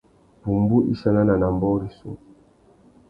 Pumbú i chanana nà ambōh rissú.